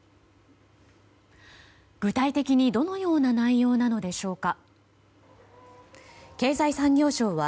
具体的にどのような内容なのでしょうか。